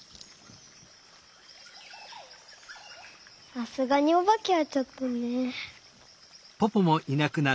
さすがにおばけはちょっとね。